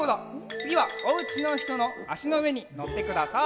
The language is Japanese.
つぎはおうちのひとのあしのうえにのってください。